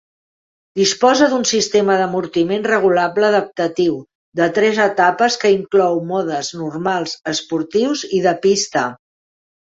Disposa d'un sistema d'amortiment regulable adaptatiu de tres etapes que inclou modes normals, esportius i de pista.